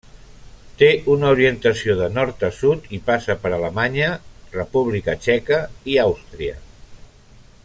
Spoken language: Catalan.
Té una orientació de nord a sud i passa per Alemanya, República Txeca i Àustria.